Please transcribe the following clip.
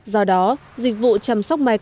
do đó dịch vụ chăm sóc mai cây